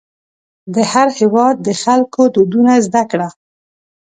د هر هېواد د خلکو دودونه زده کړه.